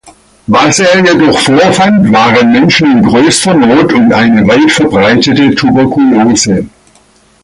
Was er jedoch vorfand, waren Menschen in größter Not und eine weit verbreitete Tuberkulose.